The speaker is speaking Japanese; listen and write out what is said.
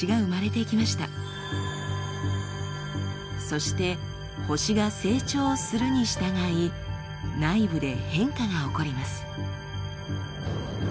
そして星が成長するにしたがい内部で変化が起こります。